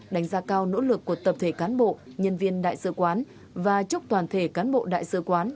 đánh giá cao nỗ lực của tập thể cán bộ nhân viên đại sứ quán và chúc toàn thể cán bộ đại sứ quán